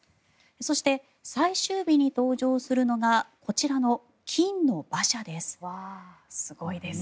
そして、最終日に登場するのがこちらの金の馬車です。